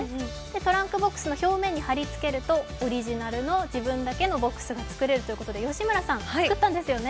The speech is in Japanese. トランクボックスの正面に貼り付けると、オリジナルの自分だけのボックスが作れるということで、吉村さん、作ったんですよね？